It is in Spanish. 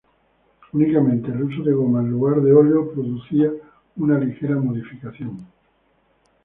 Únicamente el uso de goma en lugar de óleo producía una ligera modificación.